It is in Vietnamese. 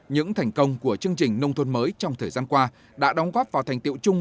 những thành công của chương trình nông thôn mới trong thời gian qua đã đóng góp vào thành tiệu chung